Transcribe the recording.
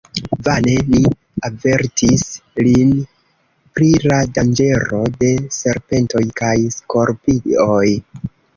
Vane ni avertis lin pri la danĝero de serpentoj kaj skorpioj.